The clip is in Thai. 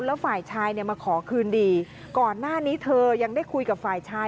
แล้วฝ่ายชายเนี่ยมาขอคืนดีก่อนหน้านี้เธอยังได้คุยกับฝ่ายชาย